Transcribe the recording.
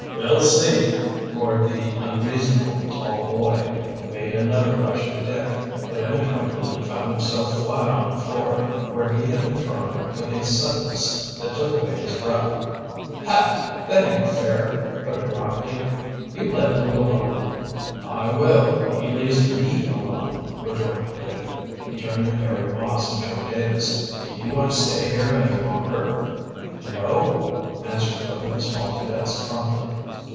"We'll see!" roared the unreasonable tall boy, and made another rush at Dick. But in a twinkling he found himself flat on the floor, where he had been thrown with a suddenness that took away his breath. "Hi! that ain't fair," put in Rockley. "You let Lew alone." "I will, when he leaves me alone," retorted Dick. He turned to Harry Moss and Joe Davis. "Do you want to stay here any longer?" "No," answered both of the small cadets promptly.